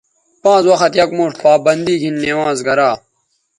پانز وخت یک موݜ پابندی گھن نمازگرا